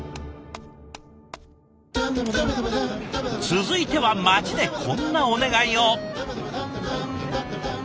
続いては街でこんなお願いを。